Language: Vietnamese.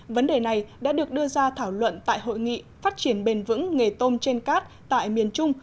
vấn đề này đã được đưa ra thảo luận tại hội nghị phát triển bền vững nghề tôm trên cát tại miền trung